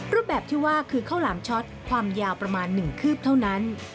รูปแบบที่ว่าคือข้าวหลามช็อตความยาวประมาณ๑คืบเท่านั้น